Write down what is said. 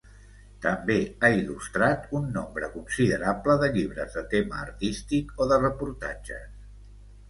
També ha il·lustrat un nombre considerable de llibres de tema artístic o de reportatges.